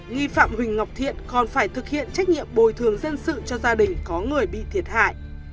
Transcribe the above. nghi phạm huỳnh ngọc thiện còn phải thực hiện trách nhiệm bồi thường dân sự cho gia đình có người bị thiệt hại